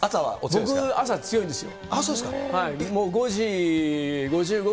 僕、朝強いんですよ。